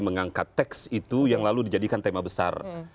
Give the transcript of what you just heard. mengangkat teks itu yang lalu dijadikan tema besar